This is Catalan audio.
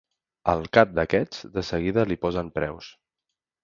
Al cap d'aquest de seguida li posen preus.